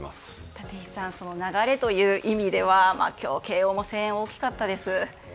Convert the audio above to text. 立石さん、流れという意味では今日、慶應も声援が大きかったです。